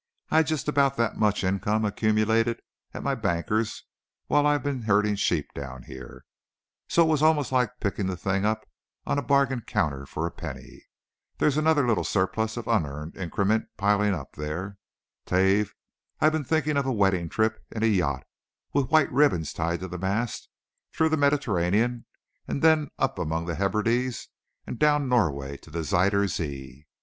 I had just about that much income accumulated at my banker's while I've been herding sheep down here, so it was almost like picking the thing up on a bargain counter for a penny. There's another little surplus of unearned increment piling up there, 'Tave. I've been thinking of a wedding trip in a yacht with white ribbons tied to the mast, through the Mediterranean, and then up among the Hebrides and down Norway to the Zuyder Zee."